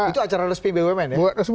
itu acara resmi bumn ya